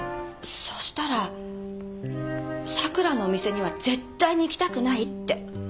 そしたら「桜のお店には絶対に行きたくない」って。